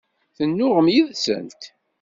Tennuɣem yid-sent?